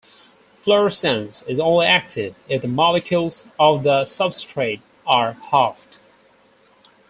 Fluorescence is only active if the molecules of the substrate are halved.